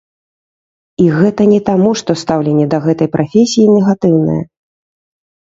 І гэта не таму, што стаўленне да гэтай прафесіі негатыўнае.